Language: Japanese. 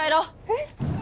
えっ？